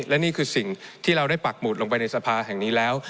และนี่คือสิ่งที่เราได้ปักหมุดลงไปในสภาแห่งนี้แล้ว